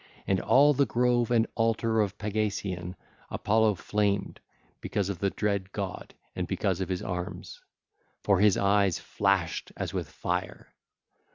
And all the grove and altar of Pagasaean Apollo flamed because of the dread god and because of his arms; for his eyes flashed as with fire.